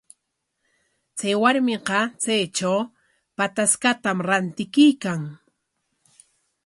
Chay warmiqa chaytraw pataskatam rantikuykan.